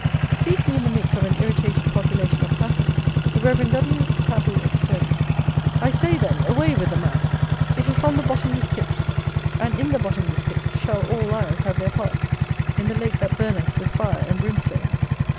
Speaking in the midst of an irritated population of Catholics, the Rev. W. Cattle exclaimed: "I say, then, away with the mass! It is from the bottomless pit; and in the bottomless pit shall all liars have their part, in the lake that burneth with fire and brimstone."